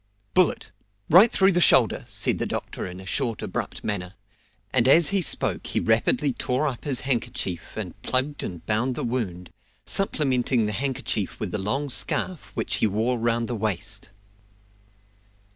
"Bullet right through the shoulder!" said the doctor in a short abrupt manner; and as he spoke he rapidly tore up his handkerchief, and plugged and bound the wound, supplementing the handkerchief with a long scarf which he wore round the waist.